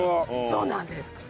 そうなんですか。